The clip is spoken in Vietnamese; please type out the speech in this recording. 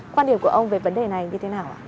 quan điểm của ông về vấn đề này như thế nào ạ